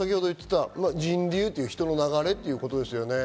人流、人の流れということですね。